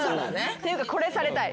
っていうかこれされたい。